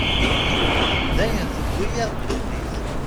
D ayen tewwi-yaɣ ddunit.